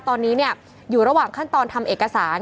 ตอนนี้อยู่ระหว่างขั้นตอนทำเอกสาร